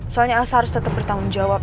soalnya elsa harus tetap bertanggung jawab